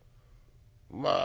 まあ